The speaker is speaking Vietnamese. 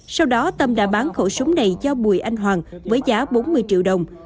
sau đó tâm đã bán khẩu súng này cho bùi anh hoàng với giá bốn mươi triệu đồng